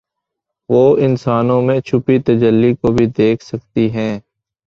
وہ انسانوں میں چھپی تجلی کو بھی دیکھ سکتی ہیں